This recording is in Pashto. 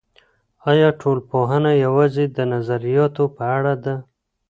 ایا ټولنپوهنه یوازې د نظریاتو په اړه ده؟